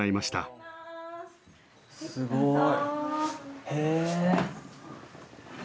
えすごい！